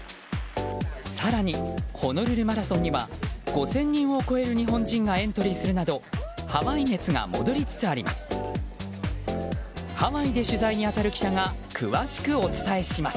更に、ホノルルマラソンには５０００人を超える日本人がエントリーするなどハワイ熱が戻りつつあります。